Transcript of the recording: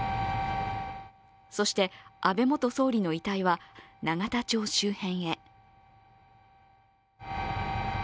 そして安倍元総理の遺体は永田町周辺へ。